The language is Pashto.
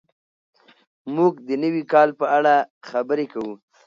موږ د نوي کال په اړه خبرې کوو.